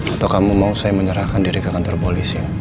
atau kamu mau saya menyerahkan diri ke kantor polisi